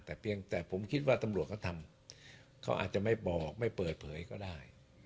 แต่เพียงแต่ผมคิดว่าตำรวจเขาทำเขาอาจจะไม่บอกไม่เปิดเผยก็ได้